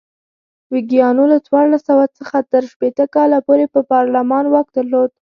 ویګیانو له څوارلس سوه څخه تر شپېته کاله پورې پر پارلمان واک درلود.